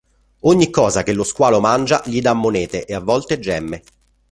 Ogni cosa che lo squalo mangia gli da monete e a volte gemme.